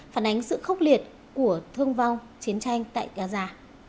phản ánh sự khốc liệt của thương vong chiến tranh tại gaza